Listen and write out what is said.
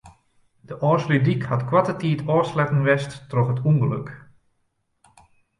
De Ofslútdyk hat koarte tiid ôfsletten west troch it ûngelok.